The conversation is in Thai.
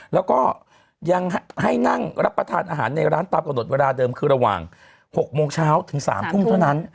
แล้วก็ยังให้นั่งรับประทานอาหารในร้านตามกำหนดเวลาเดิมคือระหว่าง๖โมงเช้าถึง๓ทุ่มเท่านั้น